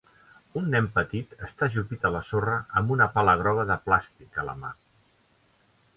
Un nen petit està ajupit a la sorra amb una pala groga de plàstic a la mà.